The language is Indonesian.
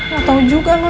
gak tau juga no